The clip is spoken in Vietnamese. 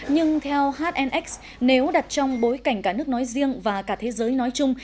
nhưng theo hnx nếu đặt trong bối cảnh cả nước nói riêng và cả thế giới nói chung